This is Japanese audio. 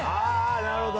なるほど。